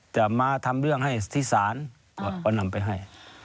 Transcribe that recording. จะมาทำเรื่องให้ที่ศาลก็นำไปให้